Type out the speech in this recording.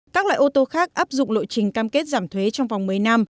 các loại ô tô khác áp dụng lộ trình cam kết giảm thuế trong vòng một mươi năm